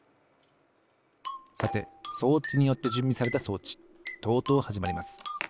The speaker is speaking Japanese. さて装置によってじゅんびされた装置とうとうはじまります。